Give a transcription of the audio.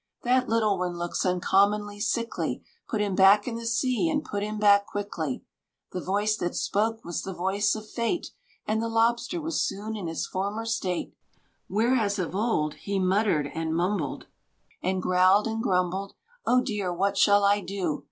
"That little one looks uncommonly sickly, Put him back in the sea, and put him back quickly." The voice that spoke was the voice of Fate, And the lobster was soon in his former state; Where, as of old, he muttered and mumbled, And growled and grumbled: "Oh dear! what shall I do?